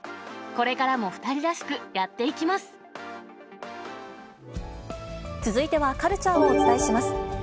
これからも２人らしくや続いてはカルチャーをお伝えします。